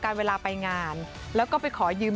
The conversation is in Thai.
เวลาไปงานแล้วก็ไปขอยืม